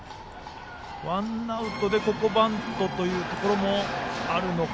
ワンアウトでバントというところもあるのか。